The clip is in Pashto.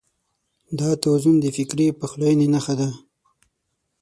دا توازن د فکري پخلاينې نښه ده.